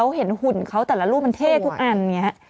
เห็นหุ่นเขาแต่ละรูปมันเท่ทุกอันอย่างนี้